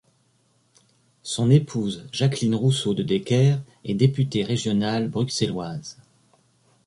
Son épouse, Jacqueline Rousseaux-De Decker, est députée régionale bruxelloise.